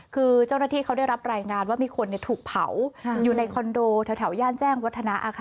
คือเจ้าหน้าที่เขาได้รับรายงานว่ามีคนถูกเผาอยู่ในคอนโดแถวย่านแจ้งวัฒนะ